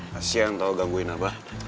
kasian tau gangguin apa